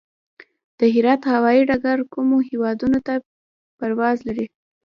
د هرات هوايي ډګر کومو هیوادونو ته پرواز لري؟